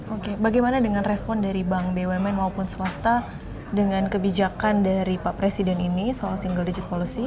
oke bagaimana dengan respon dari bank bumn maupun swasta dengan kebijakan dari pak presiden ini soal single digit policy